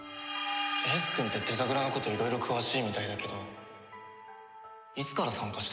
英寿くんってデザグラのこといろいろ詳しいみたいだけどいつから参加してるの？